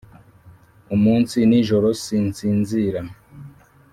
umunsi n’ijoro nsinsinzira